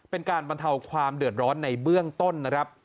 เป็นการบรรเทาความเดือดร้อนในเบื้องต้นนะครับ